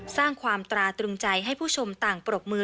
สร้างความตราตรึงใจให้ผู้ชมต่างปรบมือ